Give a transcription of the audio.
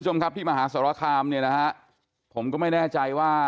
คุณผู้ชมครับที่มหาศาลคามผมก็ไม่แน่ใจว่า